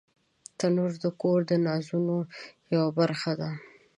تنور د کور د نازونو یوه برخه ده